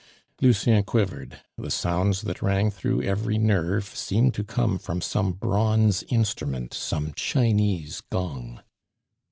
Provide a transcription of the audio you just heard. Lucien quivered; the sounds that rang through every nerve seemed to come from some bronze instrument, some Chinese gong.